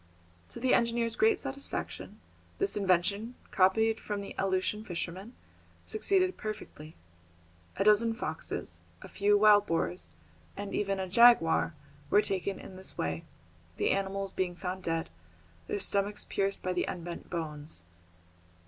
To the engineer's great satisfaction, this invention, copied from the Aleutian fishermen, succeeded perfectly. A dozen foxes, a few wild boars, and even a jaguar, were taken in this way, the animals being found dead, their stomachs pierced by the unbent bones.